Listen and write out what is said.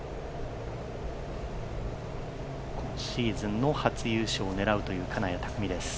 今シーズンの初優勝を狙うという金谷拓実です。